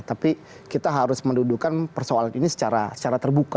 tapi kita harus mendudukan persoalan ini secara terbuka